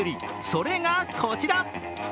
それがこちら。